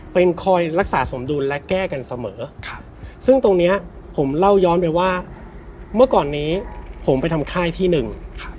เป็นคอยรักษาสมดุลและแก้กันเสมอซึ่งตรงเนี้ยผมเล่าย้อนไปว่าเมื่อก่อนนี้ผมไปทำค่ายที่หนึ่ง